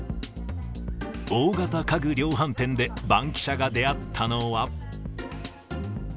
大型家具量販店でバンキシャが出会ったのは。